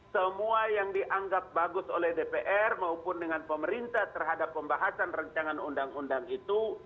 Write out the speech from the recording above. semua yang dianggap bagus oleh dpr maupun dengan pemerintah terhadap pembahasan rancangan undang undang itu